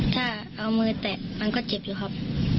ถ้าเอามือแตะมันก็เจ็บอยู่ครับ